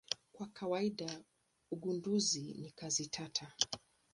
Kwa kawaida ugunduzi ni kazi tata.